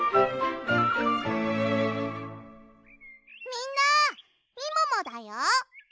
みんなみももだよ。